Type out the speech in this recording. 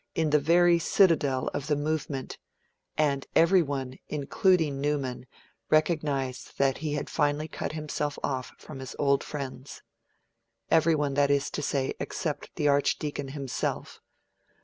in the very citadel of the Movement, and every one, including Newman, recognised that he had finally cut himself off from his old friends. Everyone, that is to say, except the Archdeacon himself.